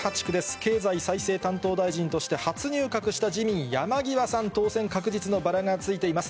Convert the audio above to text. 経済再生担当大臣として初入閣した自民、山際さん、当選確実のバラがついています。